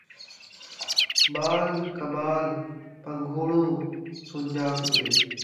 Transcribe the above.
ٻال کٻال پن٘گھوڑوں سن٘ڄاپدے